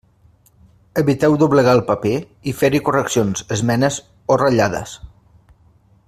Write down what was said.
Eviteu doblegar el paper i fer-hi correccions, esmenes o ratllades.